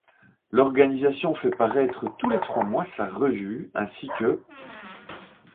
L'organisation fait paraître tous les trois mois sa revue ' ainsi que '.